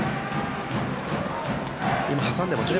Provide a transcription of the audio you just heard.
今、挟んでますね。